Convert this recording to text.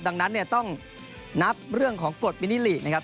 ดังนั้นเนี่ยต้องนับเรื่องของกฎมินิลินะครับ